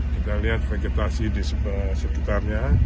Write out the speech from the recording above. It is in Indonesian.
kita lihat vegetasi di sekitarnya